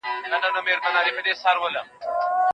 د خوړو مسمومیت په عامه ځایونو کې ډېر خپریږي.